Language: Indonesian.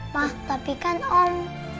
ma tapi kan om